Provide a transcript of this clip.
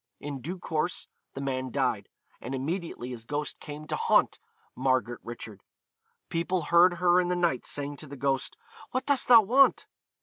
In due course the man died, and immediately his ghost came to haunt Margaret Richard. People heard her in the night saying to the ghost, 'What dost thou want?'